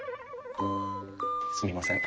すみません